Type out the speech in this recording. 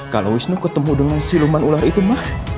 kalau wisnu ketemu dengan siluman ular itu mah